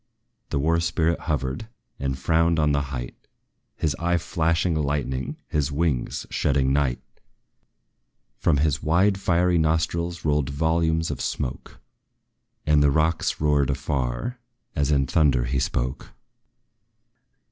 The war spirit hovered, and frowned on the height, His eye flashing lightning his wings shedding night! From his wide fiery nostrils rolled volumes of smoke, And the rocks roared afar, as in thunder he spoke.